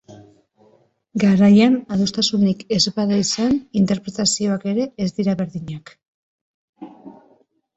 Garaian adostasunik ez bada izan, interpretazioak ere ez dira berdinak.